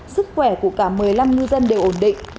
sức khỏe của cả một mươi năm ngư dân đều ổn định